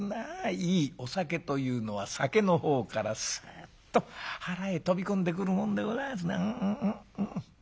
いいお酒というのは酒の方からすっと腹へ飛び込んでくるもんでございますな」。